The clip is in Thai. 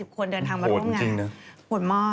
๘๐คนเดินทางมาทำงานโหดจริงเนอะ